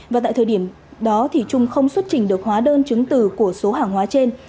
và tại thời điểm đó trung không xuất trình được hóa đơn chứng từ của số hàng hóa trên